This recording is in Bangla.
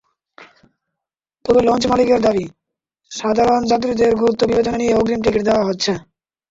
তবে লঞ্চমালিকদের দাবি, সাধারণ যাত্রীদের গুরুত্ব বিবেচনায় নিয়ে অগ্রিম টিকিট দেওয়া হচ্ছে।